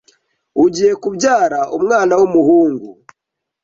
ugiye kubyara umwana w’umuhungu